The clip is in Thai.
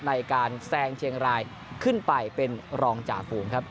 ในการแซงเชียงรายขึ้นไปเป็นรองจ่าฝูงครับ